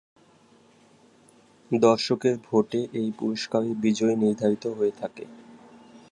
দর্শকদের ভোটে এই পুরস্কারের বিজয়ী নির্ধারিত হয়ে থাকে।